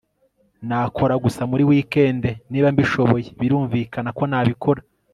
Nakora gusa muri wikendi niba mbishoboye Birumvikana ko nabikora